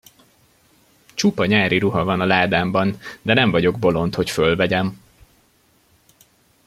Csupa nyári ruha van a ládámban, de nem vagyok bolond, hogy fölvegyem!